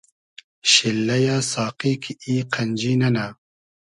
شیللئیۂ ساقی کی ای قئنجی نئنۂ